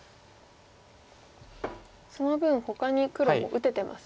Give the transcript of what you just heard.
その分ほかに黒も打ててますよね。